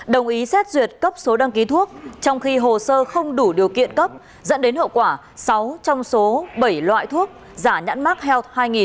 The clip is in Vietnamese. đồng ý xét duyệt cấp số đăng ký thuốc trong khi hồ sơ không đủ điều kiện cấp dẫn đến hậu quả sáu trong số bảy loại thuốc giả nhãn mark health hai nghìn